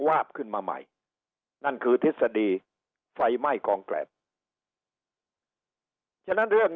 วาบขึ้นมาใหม่นั่นคือทฤษฎีไฟไหม้กองแกรบฉะนั้นเรื่อง